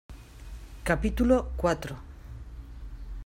capítulo cuatro.